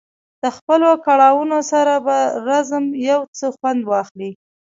د خپلو کړاوونو سره په رزم یو څه خوند واخلي.